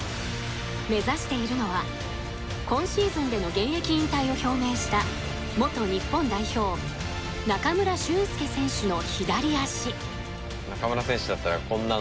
目指しているのは今シーズンでの現役引退を表明した元日本代表中村俊輔選手の左足。